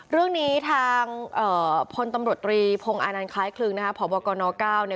เรื่องนี้ทางพลตำรวจตรีพงศ์อานันต์คล้ายคลึงพบกน๙